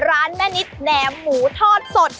ร้านแม่นิดแหนมหมูทอดสด